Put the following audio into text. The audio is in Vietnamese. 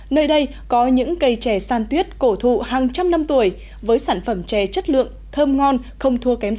nơi đây có những cây trè san tuyết cổ thụ hàng trăm năm tuổi với sản phẩm trè chất lượng thơm ngon không thua kém gì